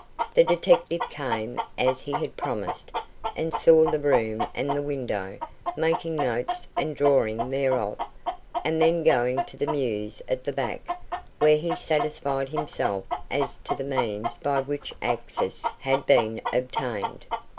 The detective came, as he had promised, and saw the room and the window, making notes and a drawing thereof, and then going to the mews at the back, where he satisfied himself as to the means by which access had been obtained.